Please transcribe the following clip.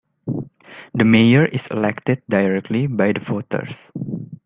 The mayor is elected directly by the voters.